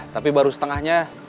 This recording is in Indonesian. tapi baru setengahnya